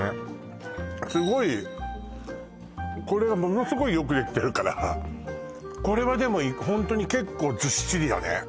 すごいこれがものすごいよくできてるからこれはでもホントに結構ずっしりだね